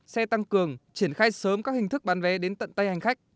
xe tăng cường triển khai sớm các hình thức bán vé đến tận tay hành khách